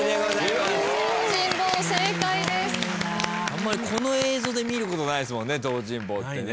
あんまりこの映像で見ることないですもんね。